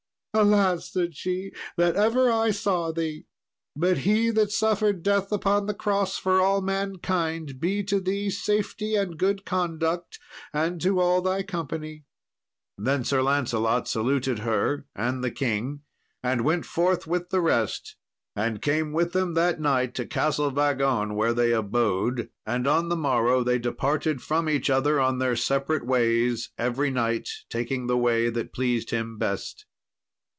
"Alas!" said she, "that ever I saw thee; but He that suffered death upon the cross for all mankind be to thee safety and good conduct, and to all thy company." Then Sir Lancelot saluted her and the king, and went forth with the rest, and came with them that night to Castle Vagon, where they abode, and on the morrow they departed from each other on their separate ways, every knight taking the way that pleased him best.